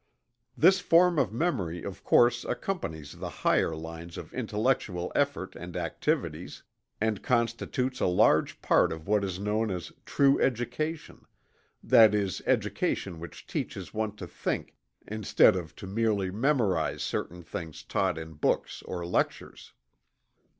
This form of memory of course accompanies the higher lines of intellectual effort and activities, and constitutes a large part of what is known as true education, that is education which teaches one to think instead of to merely memorize certain things taught in books or lectures.